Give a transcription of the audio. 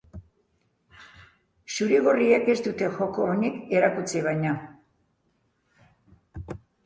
Zuri-gorriek ez dute joko onik erakutsi, baina.